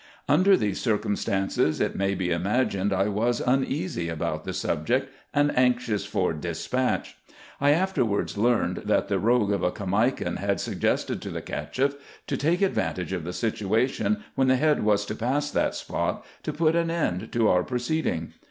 Under these circumstances, it may be imagined I was uneasy upon the subject, and anxious for despatch. I after wards learned, that the rogue of a Caimakan had suggested to the Cacheff to take advantage of the situation, when the head was to pass that spot, to put an end to our proceeding.